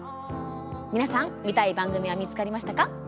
皆さん見たい番組は見つかりましたか？